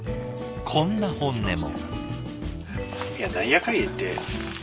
こんな本音も。